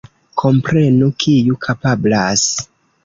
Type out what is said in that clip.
Komprenu kiu kapablas.